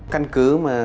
căn cứ mà